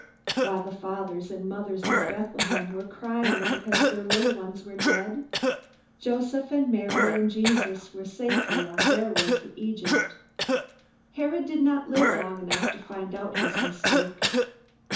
While the fathers and mothers of Bethlehem were crying because their little ones were dead, Joseph and Mary and Jesus were safely on their way to Egypt. Herod did not live long enough to find out his mistake.